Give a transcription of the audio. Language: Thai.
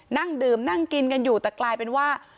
นั่งดื่มนั่งกินกันอยู่แต่กลายเป็นว่า